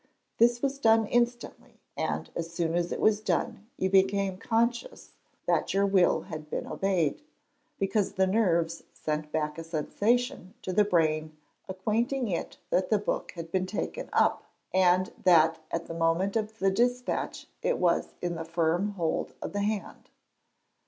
This was done instantly; and as soon as it was done you became conscious that your will had been obeyed because the nerves sent back a sensation to the brain acquainting it that the book had been taken up, and that at the moment of the dispatch it was in the firm hold of the hand.